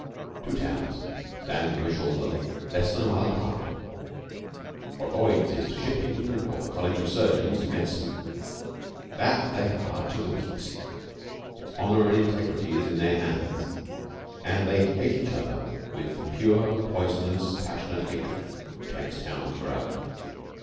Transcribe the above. Two towns stand on the shores of the lake less than a mile apart. What Lloyd's is to shipping, or the College of Surgeons to medicine, that they are to the Wheat. Its honour and integrity are in their hands; and they hate each other with the pure, poisonous, passionate hatred which makes towns grow.